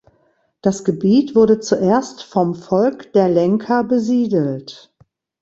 Das Gebiet wurde zuerst vom Volk der Lenca besiedelt.